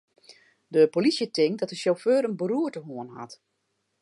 De polysje tinkt dat de sjauffeur in beroerte hân hat.